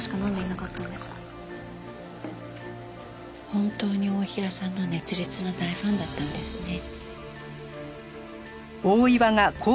本当に太平さんの熱烈な大ファンだったんですね。